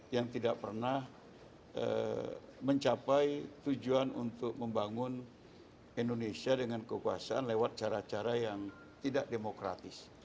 yang tidak pernah mencapai tujuan untuk membangun indonesia dengan kekuasaan lewat cara cara yang tidak demokratis